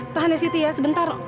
tahannya siti ya sebentar